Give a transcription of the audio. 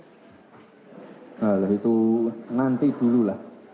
nah itu nanti dulu lah